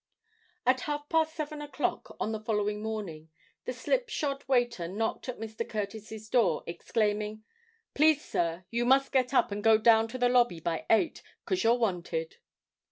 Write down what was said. At half past seven o'clock on the following morning, the slip shod waiter knocked at Mr. Curtis's door, exclaiming, "Please, sir, you must get up, and go down to the lobby by eight, 'cos you're wanted."